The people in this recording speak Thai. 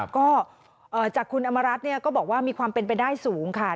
ก็จากคุณอำมารัฐก็บอกว่ามีความเป็นไปได้สูงค่ะ